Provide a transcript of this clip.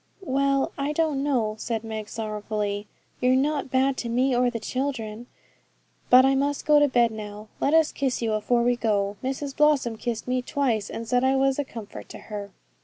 'Well, I don't know,' said Meg sorrowfully. 'You're not bad to me or the children. But I must go to bed now. Let us kiss you afore we go. Mrs Blossom kissed me twice, and said I was a comfort to her.'